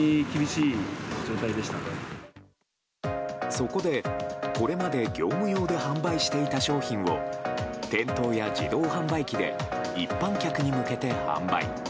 そこで、これまで業務用で販売していた商品を店頭や自動販売機で一般客に向けて販売。